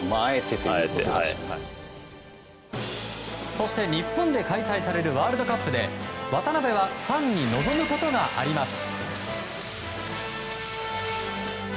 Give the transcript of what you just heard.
そして日本で開催されるワールドカップで渡邊はファンに望むことがあります。